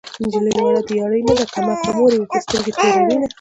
نجلۍ وړه د يارۍ نه ده کم عقله مور يې ورته سترګې توروينه